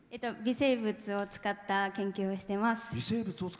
微生物を使った研究をしています。